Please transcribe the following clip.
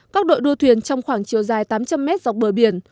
các đội đua thuyền trong khoảng chiều dài tám trăm linh m dọc bờ biển